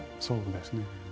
そうですね。